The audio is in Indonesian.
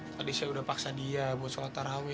tadi saya sudah paksa dia buat sholat taraweh